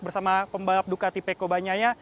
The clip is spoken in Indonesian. bersama pembalap ducati pekobanyaya